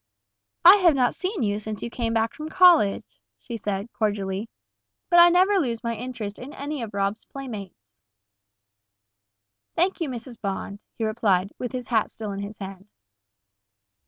"I have not seen you since you came back from college," she said, cordially; "but I never lose my interest in any of Rob's playmates." "Thank you, Mrs. Bond," he replied, with his hat still in his hand.